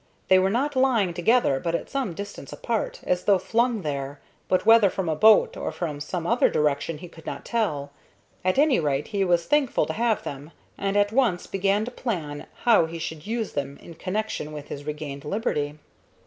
They were not lying together, but at some distance apart, as though flung there, but whether from a boat or from some other direction he could not tell. At any rate, he was thankful to have them, and at once began to plan how he should use them in connection with his regained liberty.